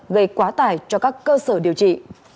gây quá tải cho các cơ sở điều trị